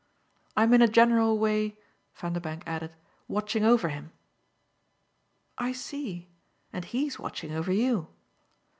I'm in a general way," Vanderbank added, "watching over him." "I see and he's watching over you."